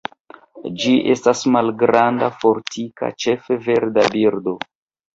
Ĝi estas malgranda, fortika, ĉefe verda birdo.